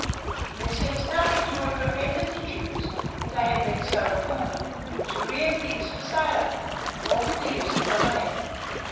There seems nothing to have prevented the Jews, if they had been so inclined, to rear pigs for sale, or for the use of the land.